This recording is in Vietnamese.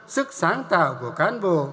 sức sáng tạo của cán bộ